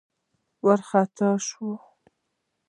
وار خطا شوه.